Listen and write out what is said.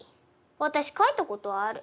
私描いたことある。